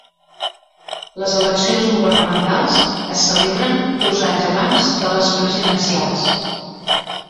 Les eleccions governamentals es celebren dos anys abans de les presidencials.